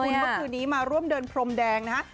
เมื่อคืนนี้มาร่วมเดินพรมแดงนะฮะ